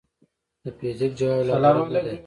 د فزیک خواب لا پوره نه دی.